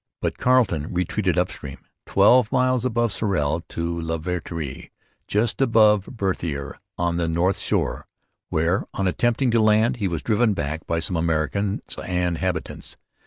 But Carleton retreated upstream, twelve miles above Sorel, to Lavaltrie, just above Berthier on the north shore, where, on attempting to land, he was driven back by some Americans and habitants.